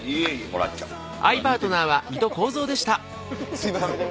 すいません。